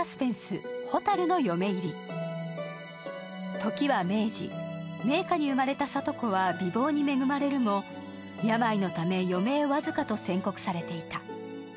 時は明治、名家に生まれた紗都子は美貌に恵まれるも病のため余命僅かと宣告されていた。